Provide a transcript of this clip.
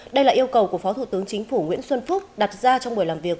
đây là yêu cầu của phó thủ tướng chính phủ nguyễn xuân phúc đặt ra trong buổi làm việc